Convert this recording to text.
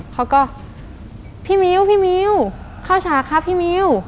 เขาก็พี่มิ้วพี่มิ้วเข้าฉากครับพี่มิว